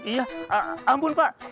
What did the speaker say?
iya ampun pak